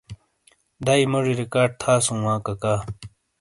دَئیی موجی ریکارڈ تھاسُوں وا کَکا۔